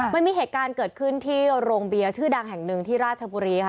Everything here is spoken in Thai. มันมีเหตุการณ์เกิดขึ้นที่โรงเบียร์ชื่อดังแห่งหนึ่งที่ราชบุรีค่ะ